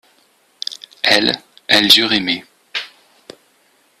Elles, elles eurent aimé.